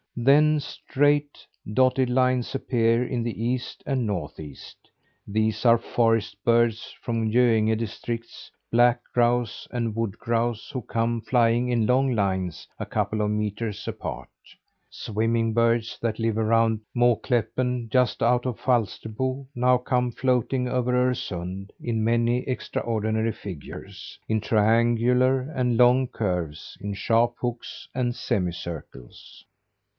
Then straight, dotted lines appear in the East and Northeast. These are forest birds from Göinge districts: black grouse and wood grouse who come flying in long lines a couple of metres apart. Swimming birds that live around Måkläppen, just out of Falsterbo, now come floating over Öresund in many extraordinary figures: in triangular and long curves; in sharp hooks and semicircles.